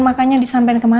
makanya disampaikan ke rumah